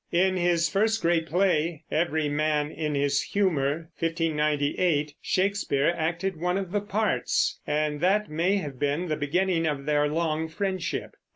In his first great play, Every Man in His Humour (1598), Shakespeare acted one of the parts; and that may have been the beginning of their long friendship.